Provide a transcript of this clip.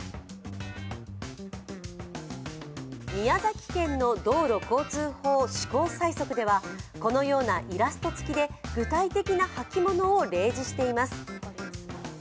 宮崎県の道路交通法施行細則ではこのようなイラスト付きで具体的な履物を例示しています。